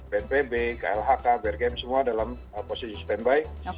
bnpb klhk brgm semua dalam posisi standby